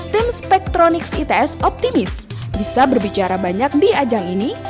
tim spektronik its optimis bisa berbicara banyak di ajang ini